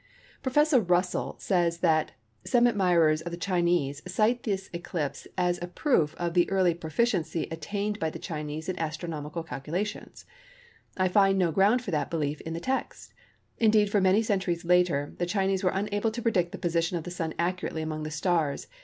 Professor Russell says that:—"Some admirers of the Chinese cite this eclipse as a proof of the early proficiency attained by the Chinese in astronomical calculations. I find no ground for that belief in the text. Indeed, for many centuries later, the Chinese were unable to predict the position of the Sun accurately among the stars.